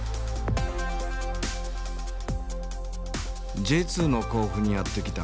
Ｊ２の甲府にやって来た森。